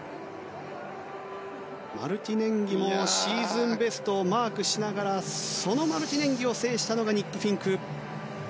マルティネンギもシーズンベストをマークしながらそのマルティネンギを制したのがニック・フィンク。